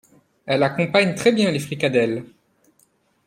Elle accompagne très bien les fricadelles.